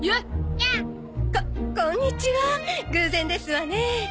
偶然ですわね。